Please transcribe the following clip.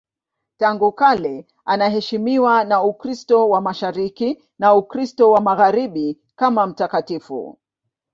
Tangu kale anaheshimiwa na Ukristo wa Mashariki na Ukristo wa Magharibi kama mtakatifu.